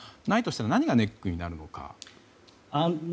ないとしたら何がネックになるのか。